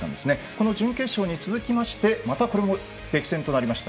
この準決勝に続きましてまたこれも激戦となりました